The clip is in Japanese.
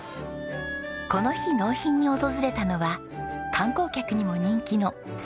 この日納品に訪れたのは観光客にも人気の産直市場。